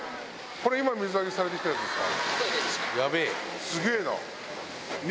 これ今水揚げされてきたやつですか。